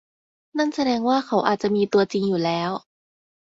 นั่นแสดงว่าเขาอาจจะมีตัวจริงอยู่แล้ว